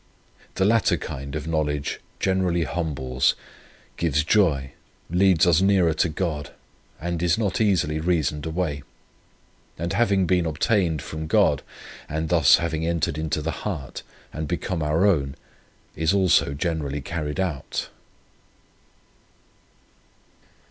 The latter kind of knowledge generally humbles, gives joy, leads as nearer to God, and is not easily reasoned away; and having been obtained from God, and thus having entered into the heart, and become our own, is also generally carried out."